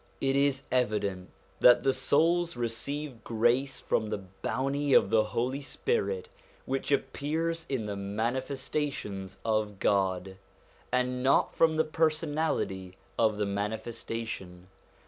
It is evident that the souls receive grace from the bounty of the Holy Spirit which appears in the Mani festations of God, and not from the personality of the Manifestation.